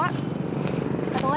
atau gak dia langah